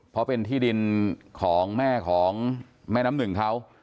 เพราะเป็นที่ดินของแม่ของแม่น้ำหนึ่งเขา